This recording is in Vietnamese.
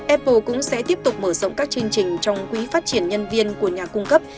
apple cũng sẽ tiếp tục mở rộng các chương trình trong quỹ phát triển nhân viên của nhà cung cấp